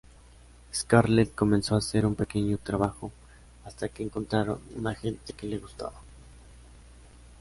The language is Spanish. Scarlett comenzó a hacer pequeños trabajos hasta que encontraron un agente que le gustaba.